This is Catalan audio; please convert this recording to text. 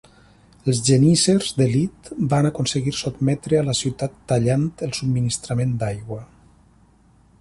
Els geníssers d'elit van aconseguir sotmetre a la ciutat tallant el subministrament d'aigua.